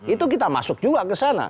itu kita masuk juga ke sana